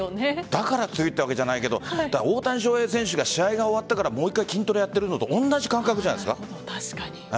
だから強いというわけじゃないけど大谷翔平選手が試合が終わってから筋トレをやっているのと同じ感覚じゃないですか。